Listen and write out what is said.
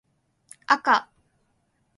あか